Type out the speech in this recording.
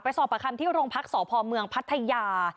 ไปสอบประคัมที่โรงพักษ์สพพัทยา